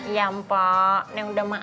ya mpo neng udah maafin